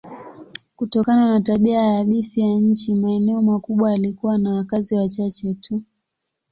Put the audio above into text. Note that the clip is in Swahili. Kutokana na tabia yabisi ya nchi, maeneo makubwa yalikuwa na wakazi wachache tu.